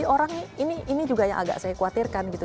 orang ini juga yang agak saya khawatirkan gitu